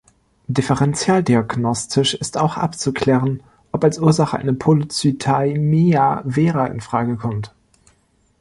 Differentialdiagnostisch ist auch abzuklären, ob als Ursache eine Polycythaemia vera in Frage kommt.